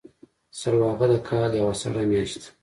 سلواغه د کال یوه سړه میاشت ده.